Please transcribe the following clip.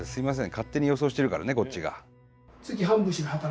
勝手に予想してるからねこっちが。